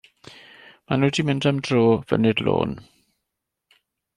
Mae nhw 'di mynd am dro fyny'r lôn.